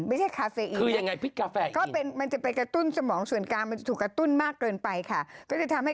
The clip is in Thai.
ไม่ใช่คาเฟอีนมันจะไปกระตุ้นสมองส่วนกลางมันจะถูกกระตุ้นมากเกินไปค่ะคือยังไงพิษกาแฟอีน